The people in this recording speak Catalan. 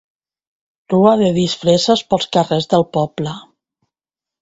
Rua de disfresses pels carrers del poble.